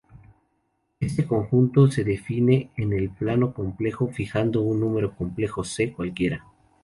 Este conjunto se define en el plano complejo fijando un número complejo "c" cualquiera.